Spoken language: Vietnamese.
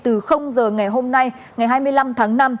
từ giờ ngày hôm nay ngày hai mươi năm tháng năm